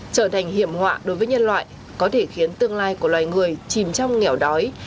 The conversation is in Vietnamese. trở thành hiểm họa đối với nhân loại có thể khiến tương lai của loài người chìm trong nghèo đói